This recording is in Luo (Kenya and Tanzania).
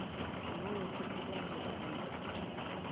Ooyo, kik idonji e dalana ka!